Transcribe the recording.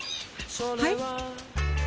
はい？